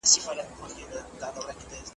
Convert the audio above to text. زما سندره تر قیامته له جهان سره پاییږی .